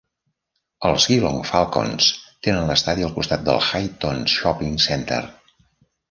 Els Geelong Falcons tenen l'estadi al costat del Highton Shopping Centre.